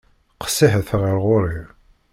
Qessiḥet ɣer ɣur-i.